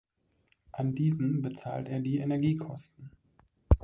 An diesen bezahlt er die Energiekosten.